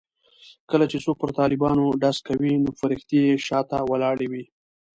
کله چې څوک پر طالبانو ډز کوي نو فرښتې یې شا ته ولاړې وي.